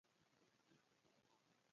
د دې یو ښه مثال افریقايي هېواد ګانا دی.